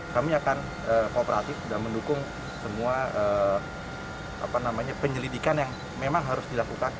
kami akan kooperatif dan mendukung semua penyelidikan yang memang harus dilakukan